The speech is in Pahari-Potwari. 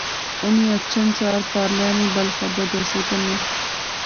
انی اچھن سار پارلیاں نی بل خیر دسے کنے